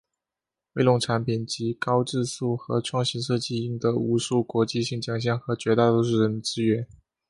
威龙产品籍高质素和创新设计赢得无数国际性奖项和绝大多数人的支援。